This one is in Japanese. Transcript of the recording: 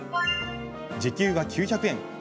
時給は９００円。